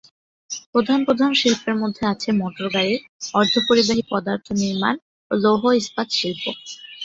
প্রধান প্রধান শিল্পের মধ্যে আছে মোটরগাড়ি, অর্ধপরিবাহী পদার্থ নির্মাণ ও লৌহ-ইস্পাত শিল্প।